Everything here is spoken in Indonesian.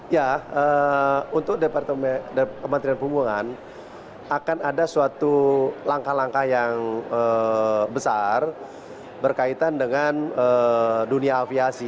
ya untuk kementerian perhubungan akan ada suatu langkah langkah yang besar berkaitan dengan dunia aviasi